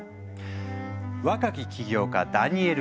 若き起業家ダニエル・エク。